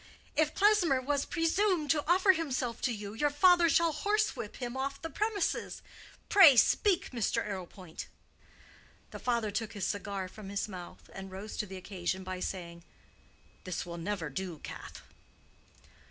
"If Klesmer has presumed to offer himself to you, your father shall horsewhip him off the premises. Pray, speak, Mr. Arrowpoint." The father took his cigar from his mouth, and rose to the occasion by saying, "This will never do, Cath."